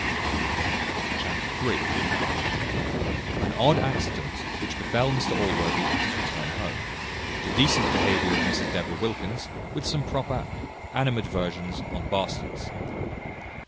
Chapter iii. An odd accident which befel Mr Allworthy at his return home. The decent behaviour of Mrs Deborah Wilkins, with some proper animadversions on bastards.